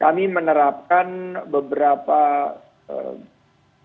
kami menerapkan beberapa kebijakan yang